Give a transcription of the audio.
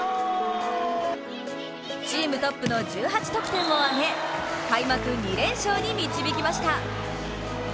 チームトップの１８得点を挙げ開幕２連勝に導きました。